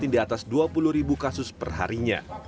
di atas dua puluh ribu kasus perharinya